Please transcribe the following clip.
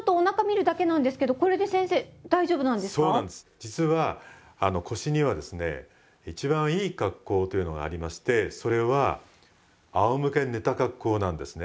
実は腰にはですね一番いい格好というのがありましてそれはあおむけに寝た格好なんですね。